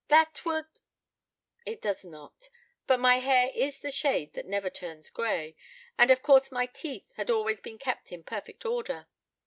"That would " "It does not. But my hair is the shade that never turns gray; and of course my teeth had always been kept in perfect order.